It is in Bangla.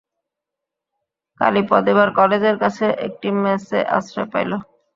কালীপদ এবার কলেজের কাছে একটি মেসে আশ্রয় পাইল।